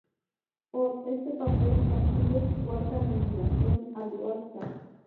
Por este papel consigue su cuarta nominación al Óscar.